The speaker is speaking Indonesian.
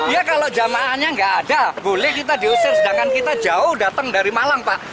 ya kalau jamaahnya nggak ada boleh kita diusir sedangkan kita jauh datang dari malang pak